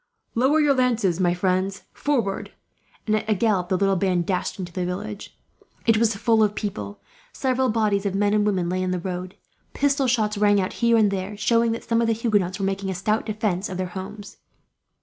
"Lower your lances, my friends. Forward!" And at a gallop, the little band dashed into the village. It was full of people. Several bodies of men and women lay in the road. Pistol shots rang out here and there, showing that some of the Huguenots were making a stout defence of their homes.